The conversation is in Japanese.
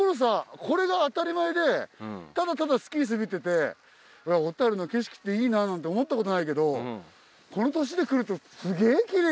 これが当たり前でただただスキー滑ってて小樽の景色っていいななんて思ったことないけどこの年で来るとすげぇキレイじゃない？